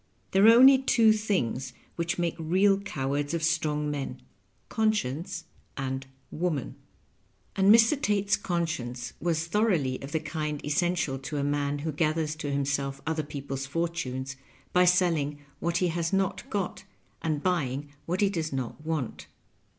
There are only two things which make real cowards of strong men conscience and woman. And Mr. Tate's Digitized by VjOOQIC 188 LOVE AHm LIQETNWa. conscience was thoroughly of the kind essential to a man who gathers to himself other people's fortunes by selling what he has not got, and buying what he does not want.